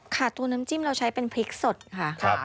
ค่ะตัวน้ำจิ้มเราใช้เป็นพริกสดค่ะ